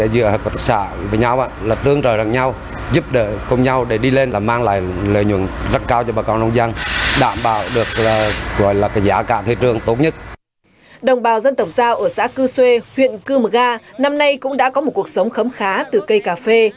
đồng bào dân tộc giao ở xã cư xê huyện cư mga năm nay cũng đã có một cuộc sống khấm khá từ cây cà phê